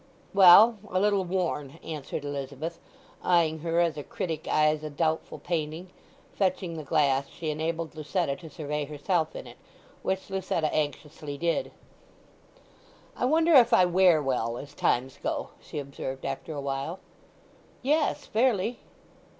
"Well—a little worn," answered Elizabeth, eyeing her as a critic eyes a doubtful painting; fetching the glass she enabled Lucetta to survey herself in it, which Lucetta anxiously did. "I wonder if I wear well, as times go!" she observed after a while. "Yes—fairly.